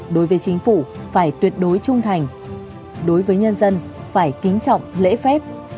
đối với chính phủ phải tuyệt đối trung thành đối với nhân dân phải kính trọng lễ phép